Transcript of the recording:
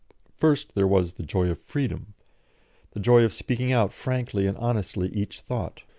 First, there was the joy of freedom, the joy of speaking out frankly and honestly each thought.